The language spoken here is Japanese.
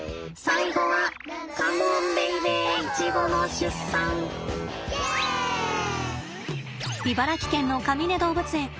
最後は茨城県のかみね動物園。